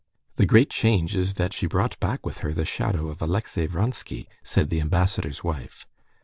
"The great change is that she brought back with her the shadow of Alexey Vronsky," said the ambassador's wife.